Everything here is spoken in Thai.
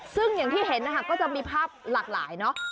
ซึ่งอย่างที่เห็นนะคะก็จะมีภาพหลากหลายเนอะ